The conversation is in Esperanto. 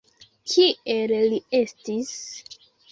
Kiel li estis?